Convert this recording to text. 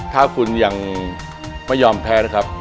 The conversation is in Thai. ถ้าคุณยังไม่ยอมแพ้นะครับ